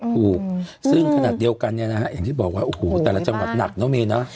ถูกซึ่งขนาดเดียวกันเนี่ยนะฮะอย่างที่บอกว่าโอ้โหแต่ละจังหวัดหนักเนอะเมนะ